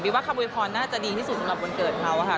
ว่าคำโวยพรน่าจะดีที่สุดสำหรับวันเกิดเขาค่ะ